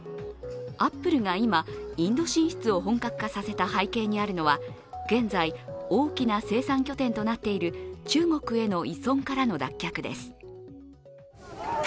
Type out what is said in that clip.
アップルが今、インド進出を本格化させた背景にあるのは現在、大きな生産拠点となっている中国への依存からの脱却です。